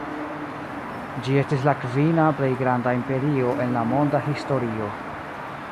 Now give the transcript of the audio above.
Ĝi estis la kvina plej granda imperio en la monda historio.